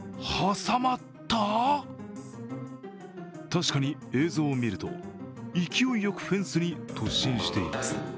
確かに、映像を見ると勢いよくフェンスに突進しています。